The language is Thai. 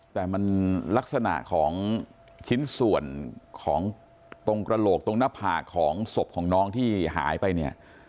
แต่มันลักษณะของชิ้นส่วนของตรงกระโหลกตรงหน้าผากของศพของน้องที่หายไปเนี่ย